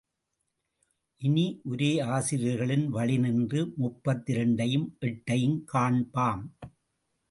இனி உரையாசிரியர்களின் வழி நின்று முப்பத்திரண்டையும் எட்டையும் காண்பாம்.